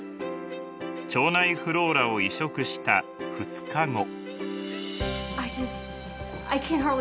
腸内フローラを移植した２日後。